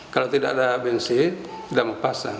kalau tidak ada bensin tidak mau pasang